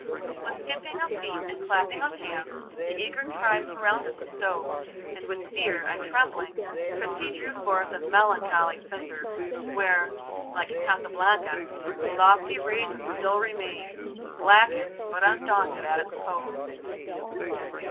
With skipping of feet and clapping of hands the eager tribe surrounded the stove, and with fear and trembling Christie drew forth a melancholy cinder, where, like Casablanca, the lofty raisin still remained, blackened, but undaunted, at its post.